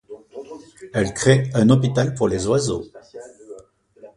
Elle crée un hôpital pour les oiseaux.